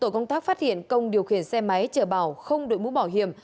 công tác phát hiện công điều khiển xe máy chở bảo không đuổi mũ bảo hiểm